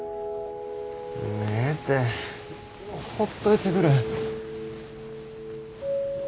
ええてほっといてくれ。